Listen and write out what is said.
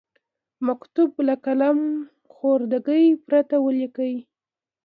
مکتوب له قلم خوردګۍ پرته ولیکئ.